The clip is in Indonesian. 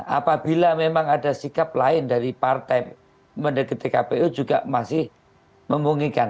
apabila memang ada sikap lain dari partai mendekati kpu juga masih memungkinkan